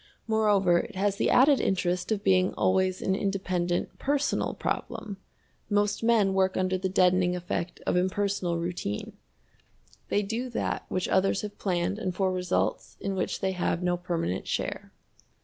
Moreover, it has the added interest of being always an independent personal problem. Most men work under the deadening effect of impersonal routine. They do that which others have planned and for results in which they have no permanent share.